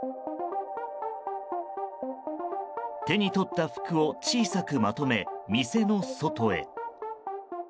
手に取った服を小さくまとめ店の外へ。